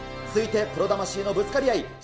続いてプロ魂のぶつかり合い。